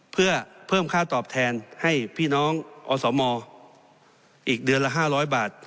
เพื่อเพิ่มค่าตอบแทนให้พี่น้องอสมอีกเดือนละ๕๐๐บาท